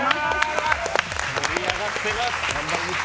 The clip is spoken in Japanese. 盛り上がっています。